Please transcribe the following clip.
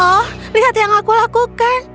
oh lihat yang aku lakukan